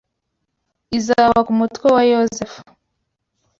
Izaba ku mutwe wa Yosefu